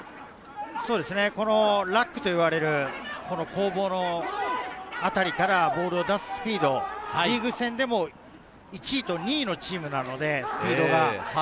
ラックといわれる攻防のあたりからボールを出すスピード、リーグ戦でも１位と２位のチームなのでスピードが。